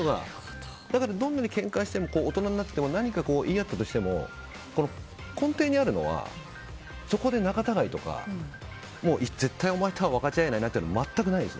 だから、どんなにけんかしても大人になって何か言い合ったとしても根底にあるのはそこで仲たがいとか絶対お前とは分かち合えないなとかは全くないです。